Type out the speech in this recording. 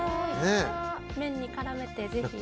麺に絡めてぜひ。